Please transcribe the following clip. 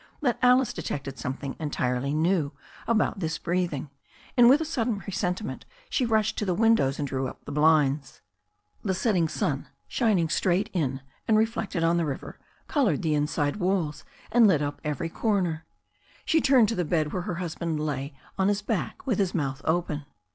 But Alice detected some thing entirely new about this breathing, and with a sudden presentiment she rushed to the windows and drew up the blinds. The setting sun, shining straight in and reflected on the river, coloured the inside walls and lit up every cor ner. She turned to the bed where her husband lay on his back with his mouth open.